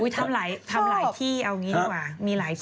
ทำหลายที่ออกกันด้วยวะ